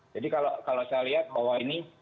jadi kalau saya lihat bahwa ini